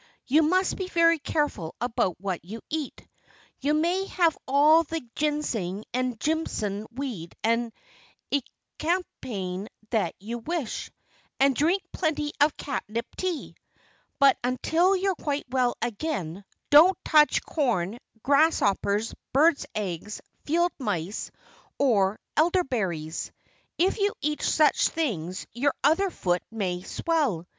"You must be very careful about what you eat. You may have all the ginseng and Jimson weed and elecampane that you wish. And drink plenty of catnip tea! But until you're quite well again, don't touch corn, grasshoppers, birds' eggs, field mice, or elderberries. If you eat such things your other foot may swell.